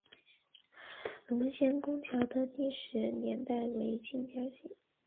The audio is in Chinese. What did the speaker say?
龙仙拱桥的历史年代为清嘉庆。